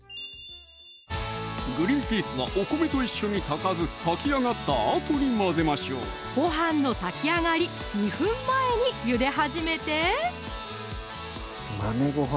グリンピースはお米と一緒に炊かず炊き上がったあとに混ぜましょうご飯の炊き上がり２分前にゆで始めて「豆ご飯」